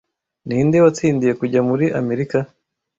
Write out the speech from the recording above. Ninde watsindiye kujya muri amerika